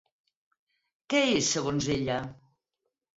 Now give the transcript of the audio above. Què és segons ella?